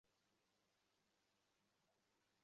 তাই তিনি দোকানের মালামাল নিয়ে চিরকুঘাটে এসে নৌকায় নদী পার হন।